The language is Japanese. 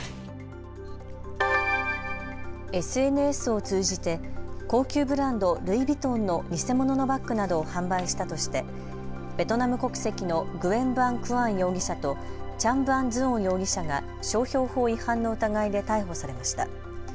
ＳＮＳを通じて高級ブランド、ルイ・ヴィトンの偽物のバッグなどを販売したとしてベトナム国籍のグェン・ヴァン・クアン容疑者とチャン・ヴァン・ズオン容疑者が商標法違反の疑いで逮捕されました。